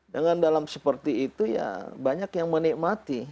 dengan dalam seperti itu ya banyak yang menikmati